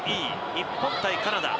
日本対カナダ。